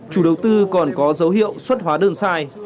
chủ đầu tư còn có dấu hiệu xuất hóa đơn sai